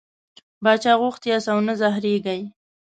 باچا غوښتي یاست او نه زهرېږئ.